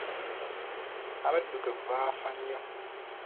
Abaddugavu baafa nnyo.